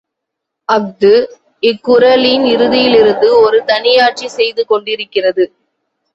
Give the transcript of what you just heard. அஃது இக் குறளின் இறுதியிலிருந்து ஒரு தனியாட்சி செய்து கொண்டிருக்கிறது.